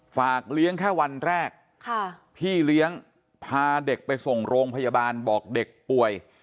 ฝากเลี้ยงแค่วันแรกพี่เลี้ยงพาเด็กไปส่งโรงพยาบาลบอกเด็กป่วย